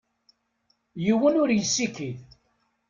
Yiwen ur yessikid.